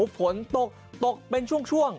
ฝนตกตกเป็นช่วงช่วง